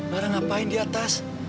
lara ngapain di atas